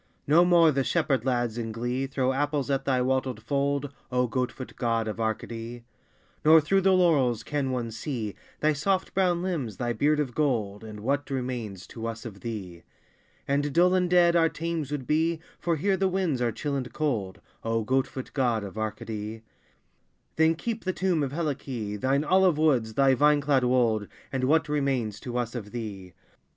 No more the shepherd lads in glee Throw apples at thy wattled fold, O goat foot God of Arcady! Nor through the laurels can one see Thy soft brown limbs, thy beard of gold, And what remains to us of thee? And dull and dead our Thames would be, For here the winds are chill and cold, O goat foot God of Arcady! Then keep the tomb of Helice, Thine olive woods, thy vine clad wold, And what remains to us of thee?